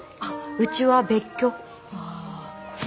うちも別居。